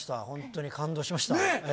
本当に感動しました。